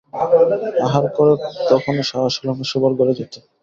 আহার করে তখনই সাহস হল না শোবার ঘরে যেতে।